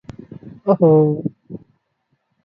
ଓହୋ!